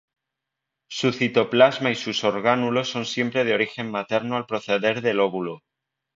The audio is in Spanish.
Su citoplasma y sus orgánulos son siempre de origen materno al proceder del óvulo.